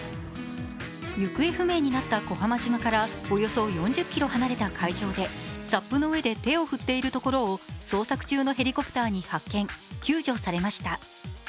行方不明になった小浜島からおよそ４０ｋｍ離れた海上でＳＵＰの上で手を振っているところを捜索中のヘリコプターに発見救助されました。